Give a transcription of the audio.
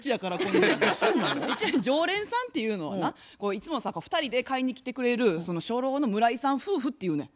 常連さんっていうのはないつもさ２人で買いに来てくれる初老の村井さん夫婦っていうねん。